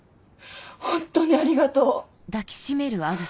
ホントにありがとう。